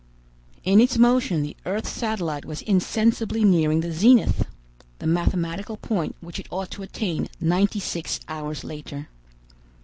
In its motion the earth's satellite was insensibly nearing the zenith, the mathematical point which it ought to attain ninety six hours later.